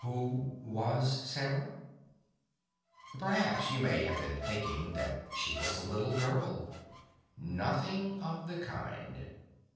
Who was Sarah? Perhaps you may have been thinking that she was a little girl. Nothing of the kind.